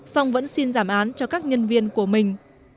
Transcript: song vẫn xin giảm án cho các nhân viên của mình